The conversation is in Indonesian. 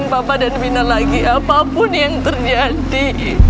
bapak dan bina lagi apapun yang terjadi